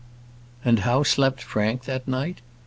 And how slept Frank that night?